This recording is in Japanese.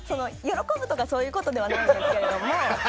喜ぶとか、そういうことではないんですけれども。